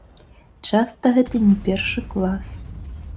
Часта гэта не першы клас.